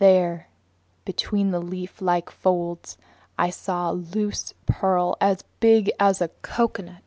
There, between its leaflike folds, I saw a loose pearl as big as a coconut.